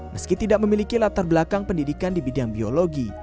meski tidak memiliki latar belakang pendidikan di bidang biologi